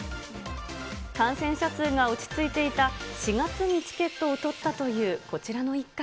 感染者数が落ち着いていた４月にチケットを取ったというこちらの一家。